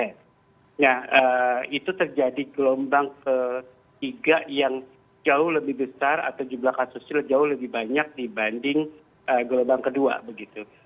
nah itu terjadi gelombang ketiga yang jauh lebih besar atau jumlah kasusnya jauh lebih banyak dibanding gelombang kedua begitu